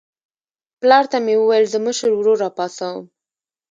پلار ته مې وویل زه مشر ورور راپاڅوم.